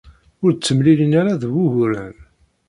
Ur d-ttemlilin ara d wuguren.